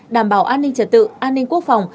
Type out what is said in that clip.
đảm bảo an ninh trật tự an ninh quốc phòng